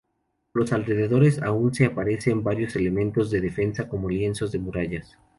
Por los alrededores aún se aprecian varios elementos de defensa como lienzos de murallas.